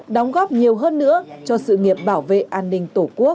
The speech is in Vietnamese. đóng góp nhiều hơn nữa cho sự nghiệp bảo vệ an ninh tổ quốc